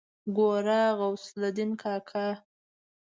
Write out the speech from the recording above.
ګوره غوث الدين کاکا.